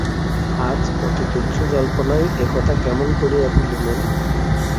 আজ অতি তুচ্ছ জল্পনায় এ কথা কেমন করিয়া ভুলিলেন!